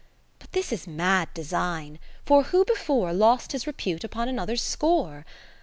But this is mad design, for who before Lost his repute upon another's score